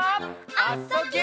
「あ・そ・ぎゅ」